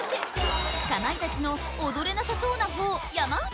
かまいたちの踊れなさそうな方山内！